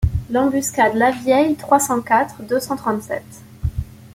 L’embuscade Lavieille trois cent quatre deux cent trente-sept.